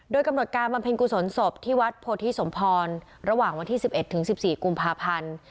โดยกำหนดการบำเพ็ญกุศลศพที่วัดโพธิสมพรระหว่างวันที่๑๑ถึง๑๔กุมภาพันธ์